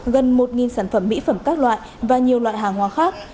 gần một sản phẩm mỹ phẩm các loại và nhiều loại hàng hóa khác